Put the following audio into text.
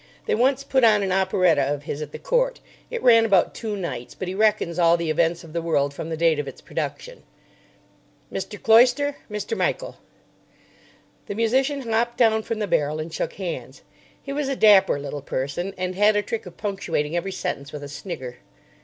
They once put on an operetta of his at the Court. It ran about two nights, but he reckons all the events of the world from the date of its production." "Mr. Cloyster—Mr. Michael." The musician hopped down from the barrel and shook hands. He was a dapper little person, and had a trick of punctuating every sentence with a snigger.